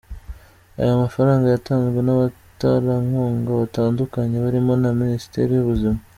Ayo mafaranga yatanzwe n’abaterankunga batandukanye barimo na Minisiteri y’Ubuzima.